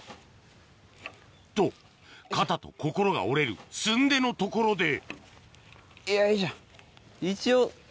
と肩と心が折れるすんでのところでよいしょ。